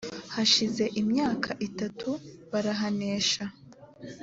hashize imyaka itatu barahanesha